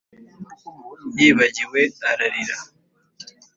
yibagiwe, ararira;